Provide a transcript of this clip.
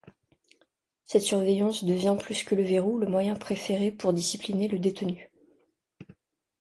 Cette surveillance devient, plus que le verrou, le moyen préféré pour discipliner le détenu.